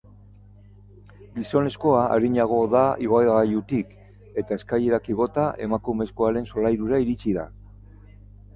Gizonezkoa arinago da igogailutik, eta eskailerak igota, emakumezkoaren solairura iritsi da.